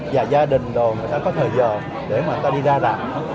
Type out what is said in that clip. và gia đình rồi người ta có thời giờ để mà người ta đi ra làm